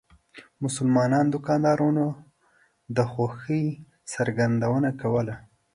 مسلمانو دکاندارانو د خوښۍ څرګندونه کوله.